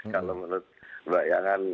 kalau menurut bayangan